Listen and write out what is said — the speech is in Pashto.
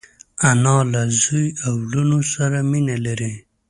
انا له زوی او لوڼو سره مینه لري